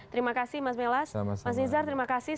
terima kasih mas melas mas nizar terima kasih